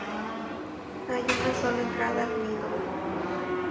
Hay una sola entrada al nido.